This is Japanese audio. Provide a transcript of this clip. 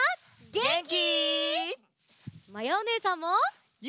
げんき！